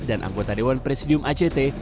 dan anggota dewan presidium act